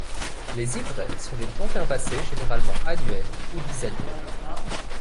Les ivraies sont des plantes herbacées généralement annuelles ou bisannuelles.